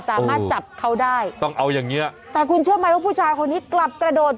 สามารถจับเขาได้ต้องเอาอย่างเงี้ยแต่คุณเชื่อไหมว่าผู้ชายคนนี้กลับกระโดด